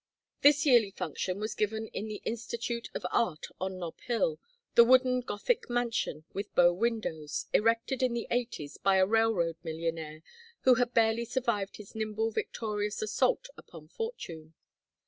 This yearly function was given in the Institute of Art on Nob Hill, the wooden Gothic mansion with bow windows, erected in the Eighties by a railroad millionaire who had barely survived his nimble victorious assault upon Fortune.